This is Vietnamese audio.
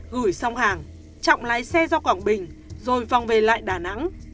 gửi xong hàng trọng lái xe ra quảng bình rồi vòng về lại đà nẵng